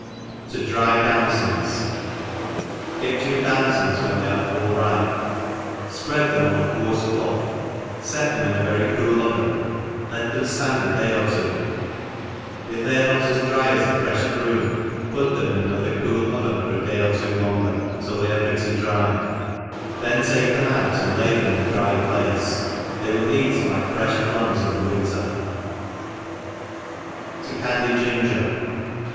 To dry Damsons. GET your damfons when they are full ripC| fprcad them on acoarlc cloth, fet them in a very cool ENGLISH HOUSE KEEPER. 241 cool oven, let them (land a day or two ; if they arc not as dry as a frcfti prune, put them in an other cool oven for a day or two longer, till they ar6 pretty dry, then take them out, and lay them in a dty place, they will cat like frelh plums in the winter er? candy GiNofeR.